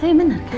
tapi bener kan